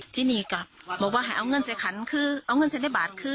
ทีนี้ก็บอกว่าให้เอาเงินใส่ขันคือเอาเงินเสร็จในบาทคือ